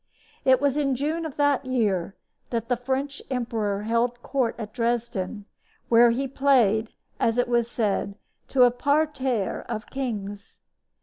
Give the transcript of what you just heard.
It was in June of that year that the French emperor held court at Dresden, where he played, as was said, to "a parterre of kings."